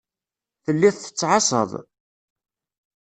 Telliḍ tettɛassaḍ.